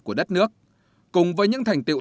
của đất nước cùng với những thành tiệu